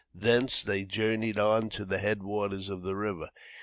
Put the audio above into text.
Thence they journeyed on to the head waters of the river.